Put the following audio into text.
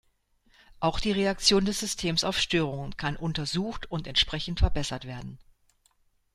Auch die Reaktion des Systems auf Störungen kann untersucht und entsprechend verbessert werden.